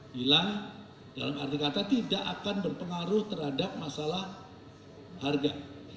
bila dalam arti kata tidak akan berpengaruh terhadap masalah harga